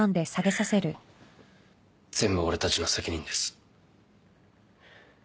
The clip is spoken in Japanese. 全部俺たちの責任です。